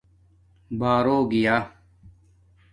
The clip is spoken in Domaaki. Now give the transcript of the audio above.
بݳرݸ گیݳ